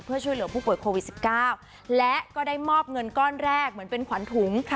เพื่อช่วยเหลือผู้ป่วยโควิด๑๙และก็ได้มอบเงินก้อนแรกเหมือนเป็นขวัญถุง